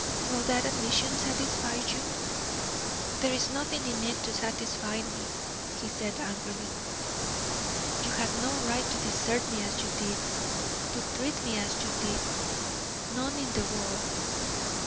Will that admission satisfy you?" "There is nothing in it to satisfy me," he said, angrily; "you had no right to desert me as you did, to treat me as you did none in the world.